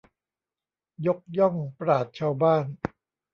ยกย่องปราชญ์ชาวบ้าน